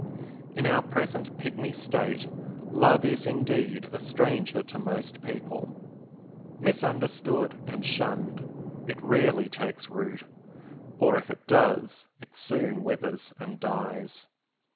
In our present pygmy state love is indeed a stranger to most people. Misunderstood and shunned, it rarely takes root; or if it does, it soon withers and dies.